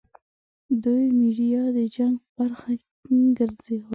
دوی میډیا د جنګ برخه ګرځولې.